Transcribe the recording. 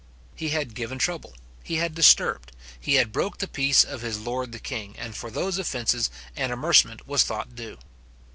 He had given trouble, he had disturbed, he had broke the peace of his lord the king, and for those offences an amercement was thought due.